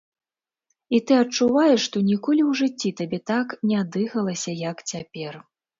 І ты адчуваеш, што ніколі ў жыцці табе так ня дыхалася, як цяпер.